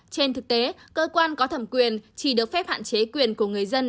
trên thực tế cơ quan có thẩm quyền chỉ được phép hạn chế quyền của người dân